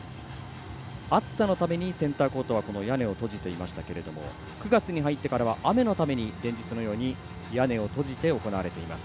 暑さのためにセンターコートは屋根を閉じていましたけれども９月に入ってからは雨のために連日のように屋根を閉じて行われています。